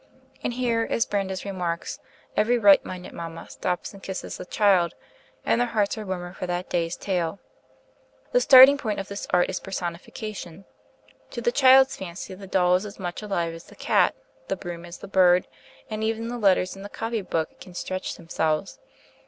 And here, as Brandes remarks, every right minded mamma stops and kisses the child, and their hearts are warmer for that day's tale. The starting point of this art is personification. To the child's fancy the doll is as much alive as the cat, the broom as the bird, and even the letters in the copy book can stretch themselves.